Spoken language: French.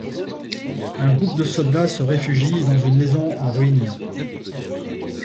Un groupe de soldats se réfugie dans une maison en ruine.